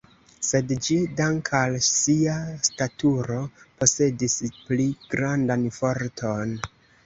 Sed ĝi, dank' al sia staturo, posedis pli grandan forton.